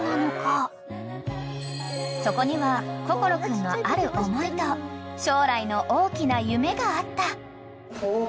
［そこには心君のある思いと将来の大きな夢があった］